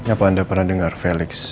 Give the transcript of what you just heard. apa anda pernah dengar felix